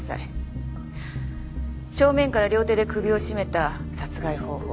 正面から両手で首を絞めた殺害方法